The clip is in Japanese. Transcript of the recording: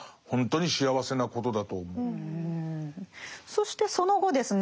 そしてその後ですね